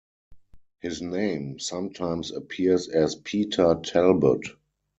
His name sometimes appears as Peter Talbot.